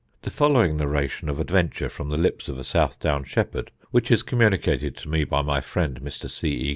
The following narrative of adventure from the lips of a South Down shepherd, which is communicated to me by my friend, Mr. C. E.